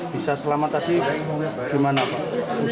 bisa selamat tadi gimana pak